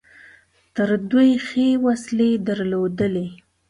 تر دوی ښې وسلې درلودلې.